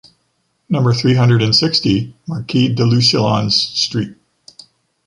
Number three hundred and sixty, Maquis de Lucelans street.